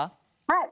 はい。